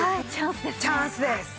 チャンスですね。